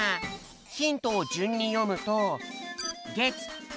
ヒントをじゅんによむと。